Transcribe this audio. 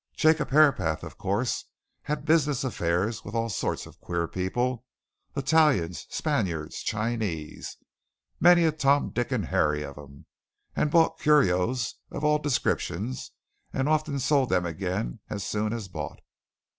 Jacob Herapath, of course, had business affairs with all sorts of queer people Italians, Spaniards, Chinese many a Tom, Dick, and Harry of 'em; he bought curios of all descriptions, and often sold them again as soon as bought."